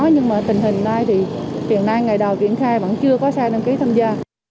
nhưng mà tình hình này thì hiện nay ngày đầu kiển khai vẫn chưa có xe đăng ký tham gia